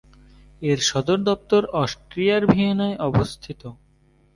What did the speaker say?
এর সদর দপ্তর অস্ট্রিয়ার ভিয়েনায় অবস্থিত।